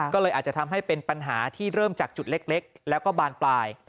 ก็เลยอาจจะทำให้เป็นปัญหาที่เริ่มจากจุดเล็กแล้วก็บานปลาย